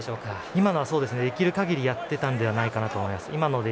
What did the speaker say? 今のはできる限りやっていたのではないかなと思います。